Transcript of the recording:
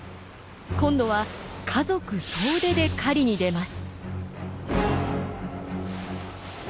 今度は家族総出で狩りに出ます。